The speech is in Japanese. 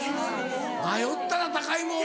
迷ったら高いもの